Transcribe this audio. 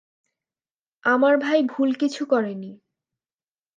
আমার ভাই ভুল কিছু করেনি!